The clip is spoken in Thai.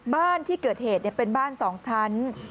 บ้านที่เกิดเหตุเป็นบ้าน๒ชั้น